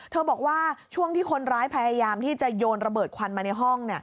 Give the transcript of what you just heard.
บอกว่าช่วงที่คนร้ายพยายามที่จะโยนระเบิดควันมาในห้อง